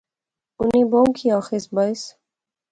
اُنی بہوں کی آخیس بائیس